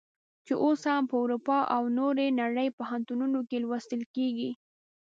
چې اوس هم په اروپا او نورې نړۍ پوهنتونونو کې لوستل کیږي.